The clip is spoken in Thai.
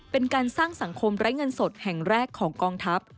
เป็นการสร้างสังคมไร้เงินสดแห่งแรกของกองทัพ